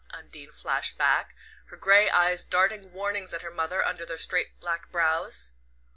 Undine flashed back, her grey eyes darting warnings at her mother under their straight black brows.